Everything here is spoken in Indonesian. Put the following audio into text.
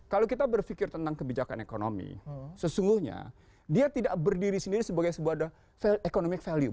kalau kita berpikir tentang kebijakan ekonomi sesungguhnya dia tidak berdiri sendiri sebagai sebuah economic value